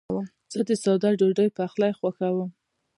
زه د ساده ډوډۍ پخلی خوښوم.